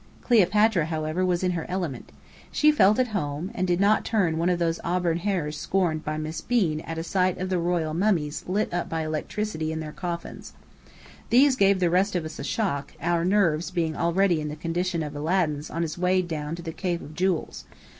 Cleopatra, however, was in her element. She felt at home, and did not turn one of those auburn hairs scorned by "Miss Bean," at sight of the royal mummies lit up by electricity in their coffins. These gave the rest of us a shock, our nerves being already in the condition of Aladdin's on his way down to the Cave of Jewels.